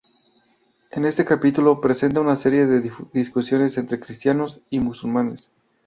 En este capítulo presenta una serie de discusiones entre cristianos y musulmanes.